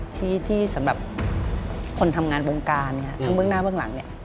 ที่สำหรับคนทำงานวงการทั้งเบื้องหน้าเบื้องหลังเนี่ย